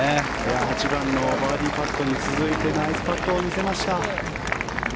８番のバーディーパットに続いてナイスパットを見せました。